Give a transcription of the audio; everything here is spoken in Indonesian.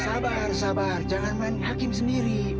sabar sabar jangan main hakim sendiri